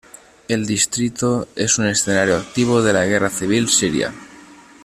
El distrito es un escenario activo de la guerra civil siria.